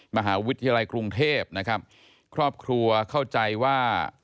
มหาวิทยาลัยกรุงเทพนะครับครอบครัวเข้าใจว่า